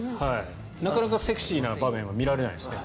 なかなかセクシーな場面は見られないですか？